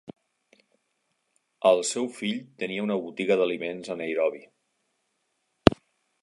El seu fill tenia una botiga d'aliments a Nairobi.